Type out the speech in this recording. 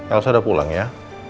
elsa udah pulang ya